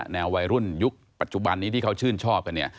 วัยรุ่นยุคปัจจุบันนี้ที่เขาชื่นชอบกันเนี่ย